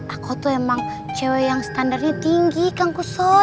aku tuh emang cewek yang standarnya tinggi kang kusoy